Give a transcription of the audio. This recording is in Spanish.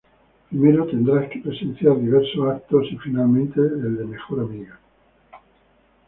Primero, tendrás que presenciar diversos eventos y finalmente el de Mejor Amiga.